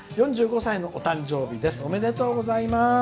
４５歳のお誕生日です。